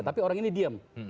tapi orang ini diam